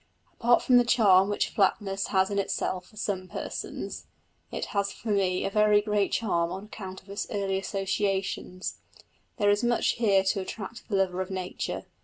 Apart from the charm which flatness has in itself for some persons it has for me a very great charm on account of early associations there is much here to attract the lover of nature.